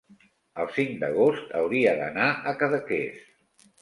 el cinc d'agost hauria d'anar a Cadaqués.